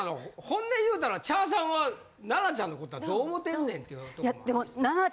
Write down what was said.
本音言うたら茶さんは奈々ちゃんのことはどう思ってんねんっていうとこもあるやん。